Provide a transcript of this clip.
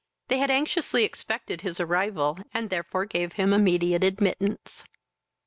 They had anxiously expected his arrival, and therefore gave him immediate admittance.